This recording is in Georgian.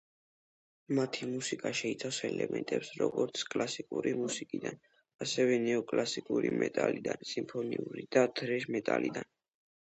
მათი მუსიკა შეიცავს ელემენტებს როგორც კლასიკური მუსიკიდან, ასევე ნეო-კლასიკური მეტალიდან, სიმფონიური და თრეშ მეტალიდან.